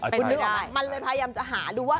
คุณนึกออกไหมมันเลยพยายามจะหาดูว่า